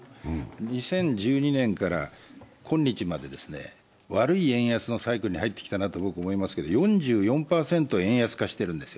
２０１２年から今日まで悪い円安のサイクルに入っていているなと思っているんですけど、４４％円安になってきているんですよ。